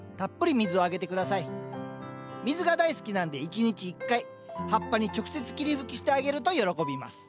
水が大好きなんで１日１回葉っぱに直接霧吹きしてあげると喜びます。